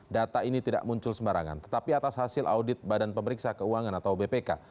data ini tidak muncul sembarangan tetapi atas hasil audit badan pemeriksa keuangan atau bpk